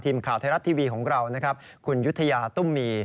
ทีมข่าวไทยรัตร์ทีวีของเราคุณยุทยาตุ้มมี